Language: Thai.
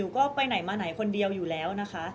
มิวยังมีเจ้าหน้าที่ตำรวจอีกหลายคนที่พร้อมจะให้ความยุติธรรมกับมิว